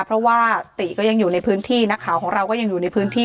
เพราะว่าติก็ยังอยู่ในพื้นที่นักข่าวของเราก็ยังอยู่ในพื้นที่